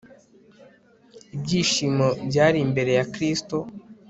Ibyishimo byari imbere ya Kristo